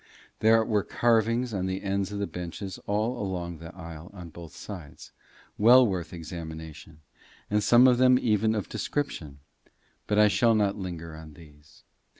There were carvings on the ends of the benches all along the aisle on both sides, well worth examination, and some of them even of description; but I shall not linger on these.